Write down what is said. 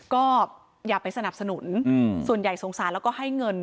ก็อย่าไปสนับสนุนส่วนใหญ่สงสารแล้วก็ให้เงิน